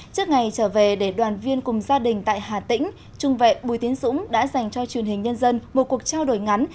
trước ngày trở về để đoàn viên cùng gia đình tại hà tĩnh trung vệ bùi tiến dũng đã dành cho truyền hình nhân dân một cuộc trao đổi ngắn